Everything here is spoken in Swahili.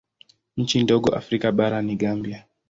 Nchi ndogo Afrika bara ni Gambia.